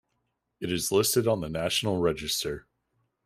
It is listed on the National Register.